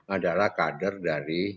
adalah kader dari